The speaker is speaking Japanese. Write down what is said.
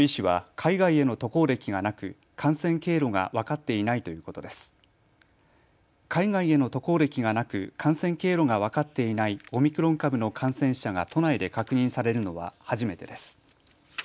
海外への渡航歴がなく感染経路が分かっていないオミクロン株の感染者が都内で確認されるのは初めてです。